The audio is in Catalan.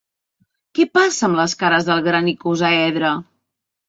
Què passa amb les cares del gran icosàedre?